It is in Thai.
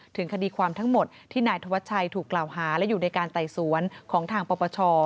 ถึงคดีความทั้งหมดที่นายธวัชชัยถูกกล่าวหาและอยู่ในการไต่สวนของทางปปช